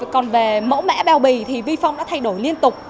còn về mẫu mẽ bao bì thì vifong đã thay đổi liên tục